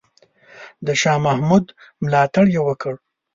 د شاه محمود ملاتړ یې وکړ.